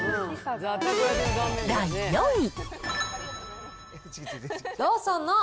第４位。